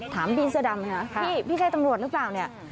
ถามบีเสื้อดำค่ะพี่ใช่ตำรวจหรือเปล่าเนี่ย